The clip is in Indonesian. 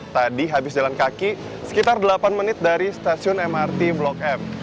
tadi habis jalan kaki sekitar delapan menit dari stasiun mrt blok m